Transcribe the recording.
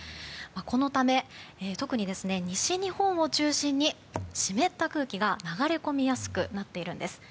このため、特に西日本を中心に湿った空気が流れ込みやすくなっているんです。